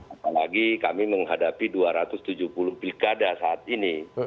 apalagi kami menghadapi dua ratus tujuh puluh pilkada saat ini